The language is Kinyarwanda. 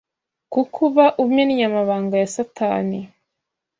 kuko uba umennye amabanga ya satani